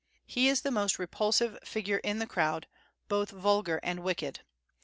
He is the most repulsive figure in the crowd, both vulgar and wicked.